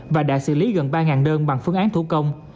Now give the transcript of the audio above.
và đã xử lý gần ba đơn bằng phương án thủ công